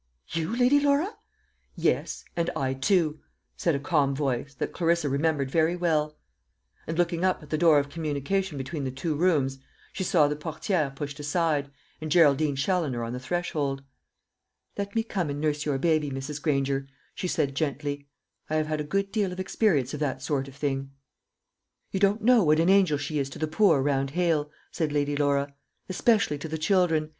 "You, Lady Laura?" "Yes, and I too," said a calm voice, that Clarissa remembered very well; and looking up at the door of communication between the two rooms, she saw the portière pushed aside, and Geraldine Challoner on the threshold. "Let me come and nurse your baby, Mrs. Granger," she said gently; "I have had a good deal of experience of that sort of thing." "You do not know what an angel she is to the poor round Hale," said Lady Laura; "especially to the children.